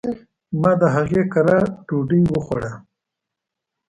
ما د هغي کره ډوډي وخوړه